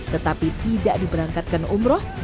tetapi tidak diberangkatkan umroh